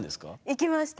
行きました。